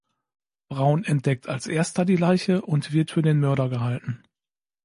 Braun entdeckt als erster die Leiche und wird für den Mörder gehalten.